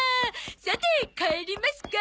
さて帰りますか！